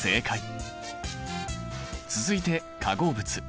続いて化合物。